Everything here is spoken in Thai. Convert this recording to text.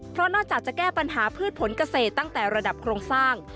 เพราะนอกจากจะแก้ปัญหาพืชผลเกษตรตั้งแต่ระดับโครงสร้าง